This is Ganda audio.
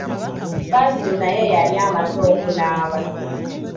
Badru naye yali amaze okunaaba.